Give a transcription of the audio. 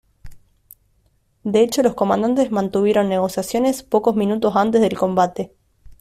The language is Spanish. De hecho los comandantes mantuvieron negociaciones pocos minutos antes del combate.